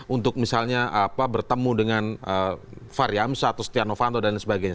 untuk misalnya bertemu dengan faryamsa atau stianovanto dan sebagainya